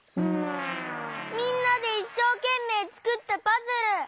みんなでいっしょうけんめいつくったパズル！